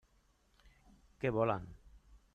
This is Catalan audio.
Què volen?